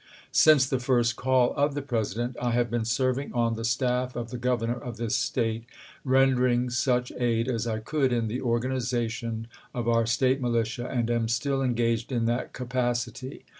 Since the first call of the Presi dent, I have been serving on the staff of the Governor of this State, rendering such aid as I could in the organiza tion of our State militia, and am still engaged in that capacity.